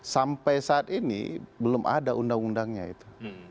sampai saat ini belum ada undang undangnya itu